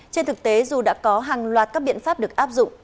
trên thực tế dù đã có hàng loạt các biện pháp được áp dụng